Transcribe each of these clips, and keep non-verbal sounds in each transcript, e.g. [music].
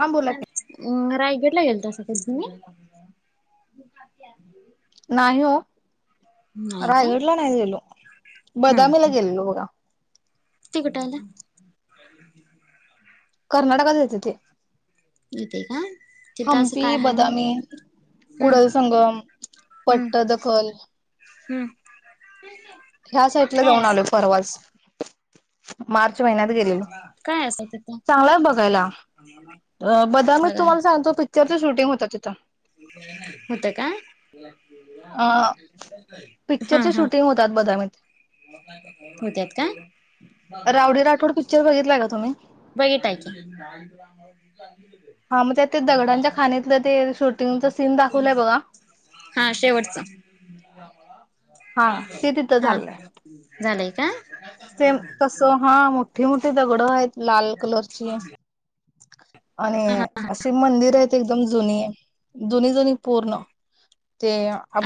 हा बोला की रायगटला गेलतासा काय तुम्ही? नाही हो. नाही का? रायगडला नाही गेलो हम्म बदामीला हम्म गेलेलो बघा. ते कुठं आलं? कर्नाटकात येत ते. येतं का? तिथं असं हंम्पी, काय हाय मग? बदामी हम्म कुडल संगम, हम्म पट्टदकल हम्म ह्या साइडला काय जाऊन अस आलो परवाच. मार्च महिन्यात गेलेलो. काय असं तिथं? चांगला आहे बघायला बादामीत तुम्हाला सांग तो पिक्चरच शूटिंग होता तथं. होत का? अ हा पिक्चरचे हा शूटिंग होतात बदामीत. होत्यात का. [unintelligible] रावडी राठोड पिक्चर बघितलाय का तुम्ही कि हा मग त्या दगडांच्या खाणीतलं ते शूटिंगच सीन दाखवलंय बघा. हा शेवटचं हा ते तिथं हा चाललंय. झालंय का. सेम तस हा मोठी मोठी दगड आहेत लाल कलरची. आणि हा हा अशी मंदिर आहेत एकदम जुनी आहे जुनी जुनी पूर्ण. ते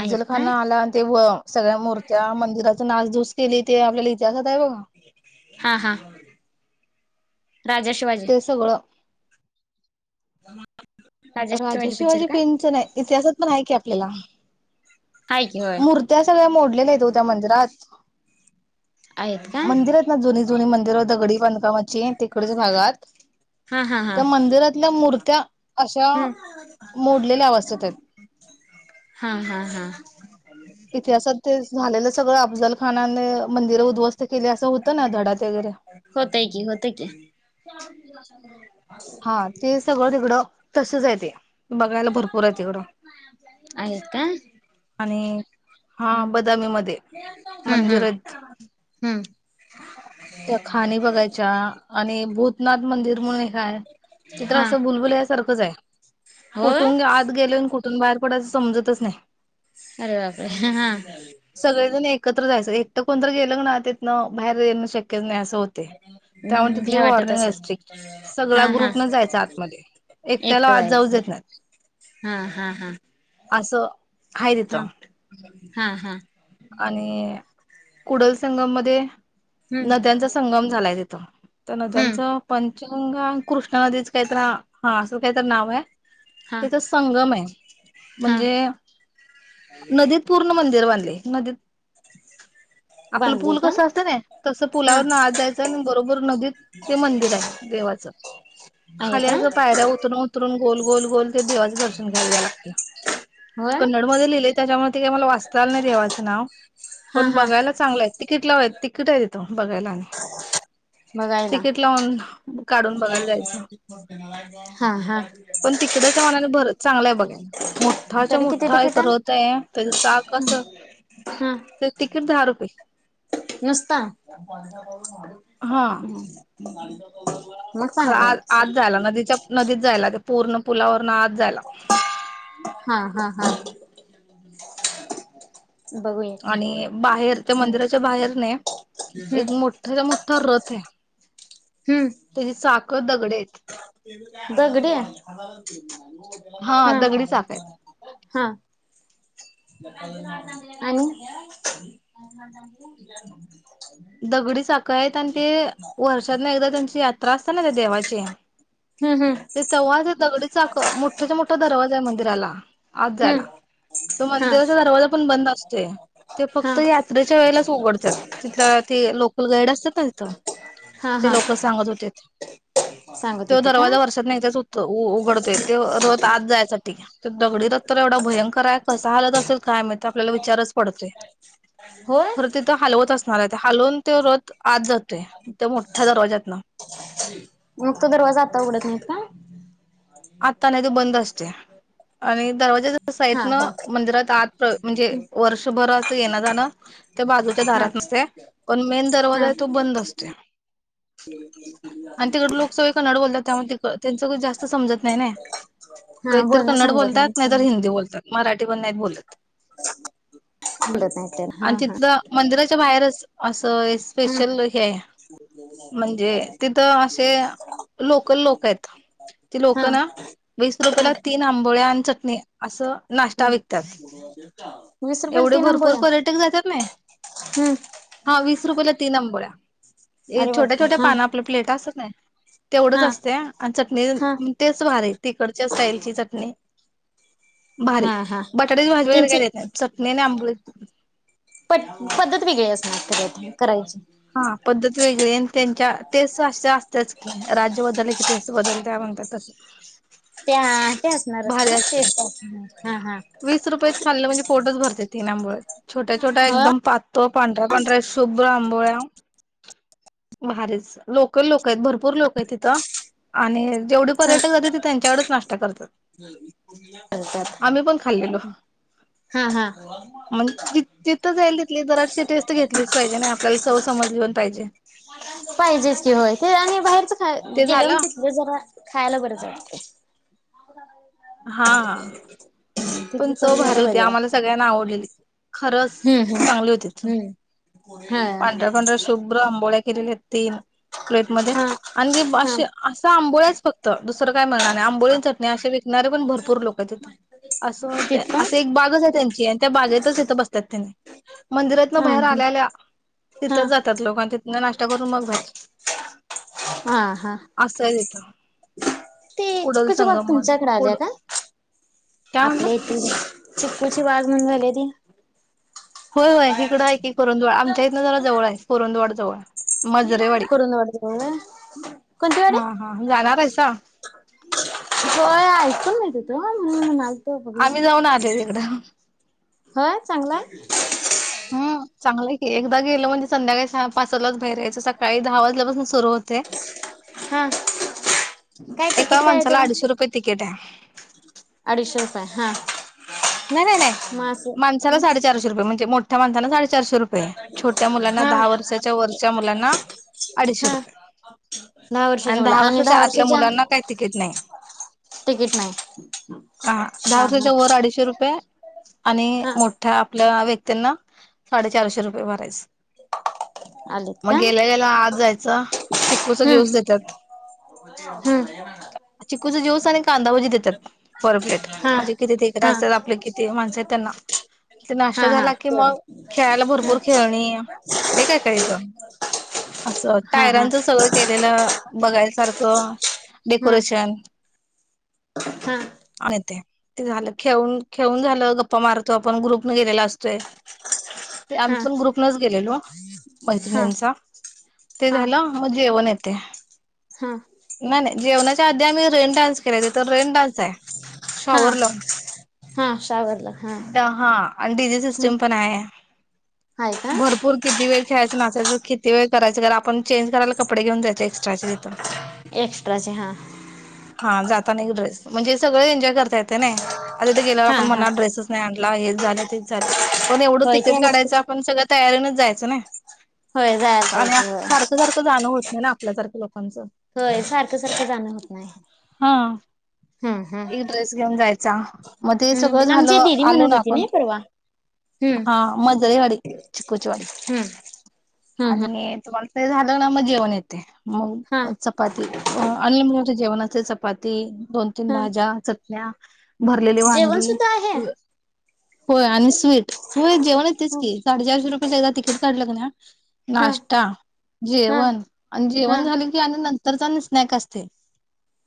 आहेत का? खान आला आणि ते व सगळ्या मूर्त्या मंदिराचा नाचधूस केली ते आपल्याला जसात आहे बघा हा हा राजा शिवाजी. ते सगळं [inaudible] राजा शिवाजी पिंच नाही इतिहासात पण आहे की आपल्याला. हाय की होय मूर्त्या सगळ्या मोडलेल्या आहेते हो त्या मंदिरात. आहेत का? मंदिर आहेत ना जुनी जुनी मंदिर दगडी बांधकामाची तिकडेच भागात. हा हा हा त्या मंदिरातल्या मूर्त्या अ श्या हम्म मोडलेल्या अवस्थेत आहेत. हा हा हा इतिहासात ते झालेलं सगळं अफजल खानाने मंदिर उद्वस्त केली असं होत ना धडात वगैरे. होतय की होतय की हा ते सगळं तिकडं तसच आहे ते. बघायला भरपूर आहे तिकडं आहेत का? आणि हा हम्म बदामी मध्ये हम्म मंदिर हम्म आहेत. हम्म त्या खाणी बघायच्या आणि भूतनाथ मंदिर म्हणून हे हाय. ते तर हा असं भुलभुलया सारखंच आहे होय कुठून आत गेलो कु ठुन बाहेर पडायचं समजतच नाही. अरे बापरे हा. सगळेजण एकत्र जायचं एकटं कोणत गेलं ना त्यानं बाहेर येणं शक्यच नाही. असं त हम्म भ्या वाटत असेल हा व हा ग जायच आतमध्ये एक त्याला एकटं आत जायचं जाऊेत नाही हा हा हा असं आहे हा तिथं हा हा आणि कुडल संगम मध्ये हम्म नद्यांचा संगम झालाय त्या हम्म नद्यांचं पंचंग कृष्ण नदीचं काहीतरी हा असं काहीतरी नाव आहे हा त्याचा संगम आहे हा म्हणजे नदीत पूर्ण मंदिर बनले नदीत आपलं बांधले पूल का कसं असतं ना तसं हा पुलावर नज जायचं आणि बरोबर नदीत ते मंदिर आहे देवाचं आहे खाली का असं पायऱ्या उतरून उतरून गोल गोल गोल ते देवाचे दर्शन घ्यायला लागते होय कन्नडमध्येध्ये लिहिलेय त्याच्यामध्ये तिकय मला वाचताला नाही देवाचं नाव हा पण हा बघायला चांगलं आहे तिकीट लाव तिकीट आहे तथून बघायला नाही बघायला तिकीट लावून काढून बघायला जायचं हा हा पण तिकडच्या मनाने भर चांगलाय बघायला मोठाच्या तरी किती मोठा तिकीट करत आहे त्याचा चा कस हा ते तिकीट दहा रुपये नुसता हा मग खरं चांगला आहे आज आज की. जायला नदीच्या नदीत जायला ते पूर्ण पुलावर पण आज झाला हा हा हा बघूया आणि बाहेर त्या मंदिराच्या बाहेर नाही हम्म एक मोठाच्या मोठा रथ आहे त्याची चाक दगडी आहेत दगडे हा दगडी चाक आहेत हा आणि दगडी चाक आहेत आणि ते वर्षातना एकदा त्यांची यात्रा असते ना त्या देवाची हम्म हम्म ते तव्हा दगडी चाक मोठाच्या मोठा दरवाजा मंदिराला आत जायला हम्म तो हा मंदिराचा दरवाजा पण बंद ते हा फक्त यात्रेच्या वेळेलाच उघडडत्यात तिथ ते लोकल गाईड असत्यात हा ते हा लोक सांगत होते सांगत त्यो होते का दरवाजा वर्षात नाही त्याच उघडतोय ते रत आज जायसाठी तर दगडी रत एवढा भयंकर हाय कसा हलत असेल काय माहीत आपल्याला विचारच पडतोय होय खरं तिथं हलवत असणार आहे ते हलवून त्यो रथ आत जात त्या मोठ्या दरवाजातन मग तो दरवाजा आता उघडत नाहीत का आता नाही ते बंद असते आणि दरवाजा हा साहितन हा मंदिरात आज म्हणजे वर्षभर अस येण जाणं त्या बाजूच्या हा दारात नसते पण मेन दरवाजा हा आहे तो बंद असते आणि तिकड लोक सगळे कन्नड बोलत्यात त्यामुळे तिकड त्यांचं जास्त समजत नाही नय हा कधीतरी बोलणं कन्नड समजत बोलतात नाहीतर नाही हिंदी बोलतात मराठी पण नाही बोलत बोलत नाही तर हा आणि हा तिथलं मंदिराच्या बाहेरच असं हा स्पेशल हे आहे म्हणजे तिथं असे लोकल लोक आहेत त लोक हा ना वीस हा रुपयाेला तीन आंबोळ आणि चटणी असं नाश्ता हम् विकतात वीस रुपयाला एवढे तीन भरपूर आंबोळ्या पर्यटक जात्यात कनाय हम्म हा वीस रुपयेला तीन आंबोळ्या अरे छोट्या बापरे छोट्या हा पान आपलं प्लेट असत ना तेवढंच हा असते आणि हा चटणी ते भार तिकडच्या स्टाईलची चटणी भारी हा हा बटाट्याची भाजी वगैरे काही त्यांची देत नाही चटणी आणि आंबोळी प पद्धत वेगळी असणार करायची हा पद्धत वेगळी आणि त्यांच्या तेच अस असतेच की राज्य बद्दल कि बदल त्या म्हत्यात तस त्या ते असणारच भारी ना असते टेस्ट असणार हा हा वीस रुपयात खाल्लं म्हणजे पोटच भरते तीनं आंबोळी छोट छोटा छोट हो एकम पातळ पांढरा पांढरा्या शुभ्र आम् भारच लोकल लोक आहेत भरपूर लोक तिथं आणि जेवढे पर्यटक जाते ते त्यांच्याकडच नाश्ता करतात. हो का! मण ति तिथं जाईल तिथली जराशी टेस् घेतलीच पाहिजे आणि आपल्याला चव समज लि पण पाहिजे - पाहिजेच की होय ते आणि बाहेरच खा ते गेलेवर झालं तिथले जरा खायला बरंच वाटते. [inaudible] हा पण तिथली चव भारी घ्यायला होती बरी आम्हाला वाटते. सगळ्यांना आवडलेली. खरंच हम्म चांगली होती चव. हम्म हम्म पाढऱ्या हा पांढऱ्या शुभ्र अंबोळ्या केलेल्या तीन प्लेटमध्येध्ये आणिे हा हा असं आंबोळ्याच फक्त दुसरं काय मिळणार आहे आंबोळी आणि चटणी असे विक निणारे पण भरपूर लोक आहेत तिथ अस तेच का अस एक बागच आहे त्यांची आणि त्या बागेतचथ बस ्यने मंदिरातन हा बाहेर हा आल्या आल्या हा तिथंच जातात लोक आणि तिथन नाश्ता करून मग बाहेर हा हा असं येत. ते कुडल चिकूची बाग संगम म्हण तुमच्याकडे कुड आल्या का? काय म्हणला? आपल्या इथे चिक्कूची बाग म्हणून झाल्या ती होय होय इकड आहे की कुरुंदवाड आमच्या इथनं जरा जवळ आहे कुुरुंंवाड जवळ मजरेवाडी. कुरुंदवाड जवळ होय. कोणती वाडी? हा हा जाणार आहेसा? होय ऐकून माहित होत म्हणुन आम्ही जाऊन आलोय तिकडं. होय चांगलाय हम् चांगलंय की एकदा गेलं म्हणजे संध्याकाळी सहा पाचलाच बाहेर यायच सकाळी दहा वाजल्यापासून सुरू होते. हा काय एका तिकिट काय आहे माणसाला त्याला? अडीचशे रुपये तिकीट आहे. अडीचशे रुपये हा. नाही नाही नाही मग असं माणसाला साडेचारशे रुपये म्हणजे मोठ्या माणसाला साडे चारशे रुपये छोट्या मुलांना हा दहा वर्षाच्या वरच्या मुलांना अडीचशे हा रुपये दहा वर्षाच्या मुला आणि दहा आतल्या वर्षाच्या मुलांना काही तिकीट नाही. तिकीट नाही. हा दहा वर्षाच्या वर अडीचशे रुपये आणि हा मोठ्या आपल्या व्यक्तींना साडे चारशे रुपये भरायच आलेत मग का गेल्या गेल्या आत जायच चिकूचा हम्म ज्यूस देतात - हम्म चिकूचा ज्यूस आणि कांदाभजी देतात पर प्लेट हा म्हणजे किती हा असल आपल्या कितीही माणसं आहेत त्यांना ते नाष्टा हा हा झाला की मग तेवढं खेळायला भरपूर खेळणी लै काय काय येत असं हा हा टायरांचं सगळं केलेलं बघायसारखं हा हा डेकोरेशन हा आणि ते ते झालं खेळून खेळून झालं गप्पा मारतो आपण ग्रुप न गेलेला असतोय ते हा आमच आमी ग्रुप नच गेलेलो हा मैत्रिणींचा ते झालं मग जेवण येते. हा नाही नाही जेवणाच्या आधी आम्ही रेन डान्स केले तिथ रेन डान्स आहे हा शॉवर लावून हा सावरलं हा दहा आणि डी जी ह सिस्टम पण आहे आहे का भरपूर किती वेळ खेळायचं नाचायचं किती वेळ करायचं कार आपण चेंज करायला कपडे घेऊन जायच ऐक्स् र्टाचे तिथ एक्स्ट्राचे हा हा जाताना एक ड्रेस म्हणजे सगळे एन्जॉय करता येत नाही आता तिथ गेल्यावर हा आपण हा म्हणणार ड्रेसेस नाही आण ला हेच झालं तेच झालं पण एवढं होय ते तिकीट आहेच काढायचं आपण सगळं तयारीनच जायचं ना आणि होय जायला पाहिजे सारखं होय सारखं जाण होत नाही ना आपल्यासारखं लोक होय सारखं सारखं जाणं होत नाही. हा हम एक ड्रेस घेऊन जायचा मग ते सगळं हम्म आमची झालं दिदी आलो म्हणत ना होती आपण नाही परवा हम्म हा मजरेवाडी चिकूचीवाडी हम्म हम्म हम्म आणि तुम्हाला ते झालं ना मग जेवण येते हा मग चपाती आणि म जेवण असते चपाती दोन तीन हा भाज्या चटण्या भरलेली जेवण वांगी सुद्धा आहे होय आणि स्वीट होय जेवण येतेच की साडेचारशे रुपयाेच एकदा तिकीट काढलं ना हा नाश्ता हा जेवण आणि हा जेवण झाले की आणि न नंतरच आणी स्नॅक असते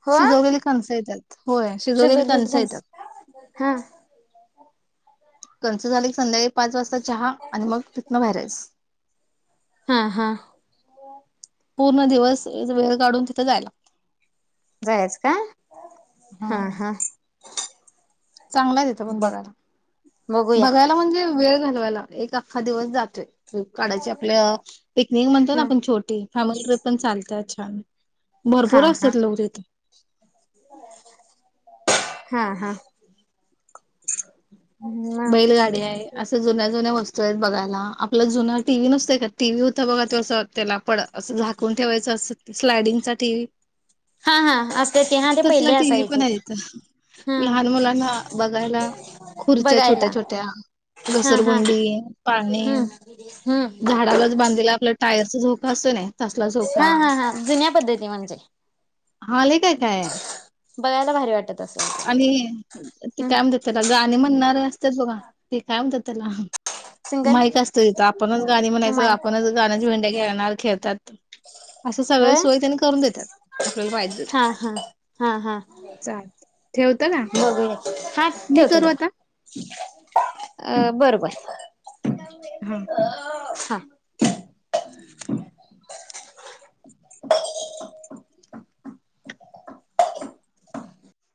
हो शिजवलेली कणस येतात होय शिजवलेली कणस शिजवलेलं येत हा कस झाले संध्याकाळी पाच वाजता चहा आणि मग तिथन व्हायराईस हा हा पूर्ण दिवस वेळ काढून तिथे जायला जायच का हा हा चांगलाच येत पण ब बघायला बघूया बघायला म्हणजे वेळ घालवायला एक अखा दिवस जातोय काढायची आपल्या पिकनिक म्हणतोय ना ह आपण छोटी फॅमिली ट्रिप पण चालत छान हा भरपूर हा असतात लोक तिथ हा हा बैलगाड्या आहे. असं जुन्या जुन्या वस्तू आहेत बघायला. आपल्या जुन टीव्ही नसते का टीव्ही होता बघा तसं त्याला पड असं झाकून ठेवायचं. अस स्लायडिंगचा टीव्ही हा हा असते ते हा ते तसला पहिले टीव्ही पण असायचे आहेे ते इथे. हा लहान मुलांना बघायला खुर्ची बघायला छोट्या छोट्या हा हा घसरगुंडी पाणी हम्म हम्म झाडालाच बांधलेला आपल्या टायरचा झोका असतो नाही हा हा हा जुन्या पद्धती म्हणजे हा लई काय काय आहे. बघायला भारी वाटत असेल आणि ती हम्म काय म्हणत्यात त्याला गाणी म्हणणार. असतात बघा ते काय म्हणतात त्याला सिंगर माईक असतोय तिथं आपणच गाणी म्हणायचं माहित आपणच गाण्याच भेंड्या खेळणार खेळतात असे सगळे होय सोयी त्यांनी करून देतात. आपल्याला पाहिजे हा ते. हा हा हा चालतय बघूया की हा ठेवतो करू दम आता अ बर बर हा हा [inaudible] [inaudible]